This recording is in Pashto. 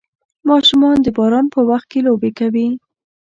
ماشومان د باران په وخت کې لوبې کوي.